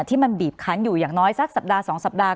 ที่มันบีบคันอยู่อย่างน้อยสักสัปดาห์๒สัปดาห์